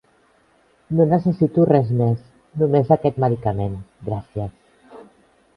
No necessito res més, només aquest medicament. Gràcies.